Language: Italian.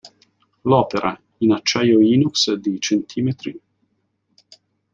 L'opera, in acciaio inox di cm.